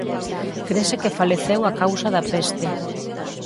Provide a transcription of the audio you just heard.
Crese que faleceu a causa da peste.